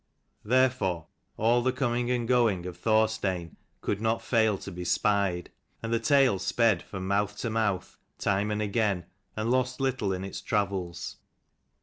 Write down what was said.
Therefore all the coming and going of Thor stein could not fail to be spied, and the tale sped from mouth to mouth, time and again, and lost little in its travels.